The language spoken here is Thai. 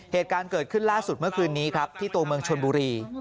เหตุการณ์เกิดขึ้นล่าสุดเมื่อคืนนี้ครับที่ตัวเมืองชนบุรี